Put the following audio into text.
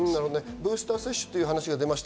ブースター接種という話が出ました。